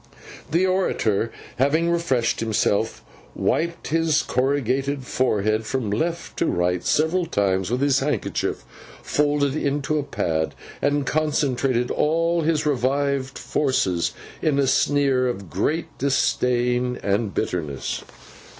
The orator having refreshed himself, wiped his corrugated forehead from left to right several times with his handkerchief folded into a pad, and concentrated all his revived forces, in a sneer of great disdain and bitterness.